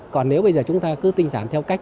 còn nếu bây giờ chúng ta cứ tinh giản theo cách